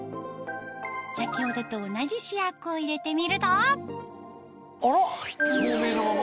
先ほどと同じ試薬を入れてみると透明のままだ。